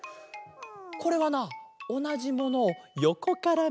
これはなおなじものをよこからみたかげだ。